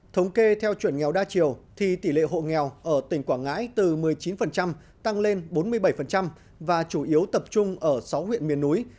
thống kê theo chuẩn nghèo đa chiều thì tỷ lệ hộ nghèo ở tỉnh quảng ngãi từ một mươi chín tăng lên bốn mươi bảy và chủ yếu tập trung ở sáu huyện miền núi